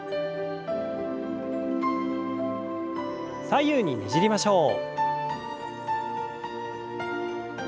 左右にねじりましょう。